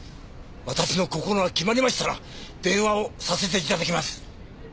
私の心が決まりましたら電話をさせて頂きます！